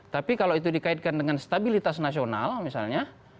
tapi kalau itu dikaitkan dengan stabilitas nasional misalnya